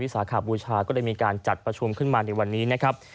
สาขบูชาก็เลยมีการจัดประชุมขึ้นมาในวันนี้นะครับ